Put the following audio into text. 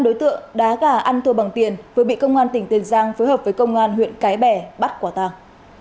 một mươi năm đối tượng đá gà ăn thua bằng tiền vừa bị công an tỉnh tiền giang phối hợp với công an huyện cái bè bắt quả tàng